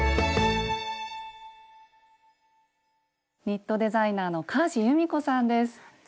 ニットデザイナーの川路ゆみこさんです。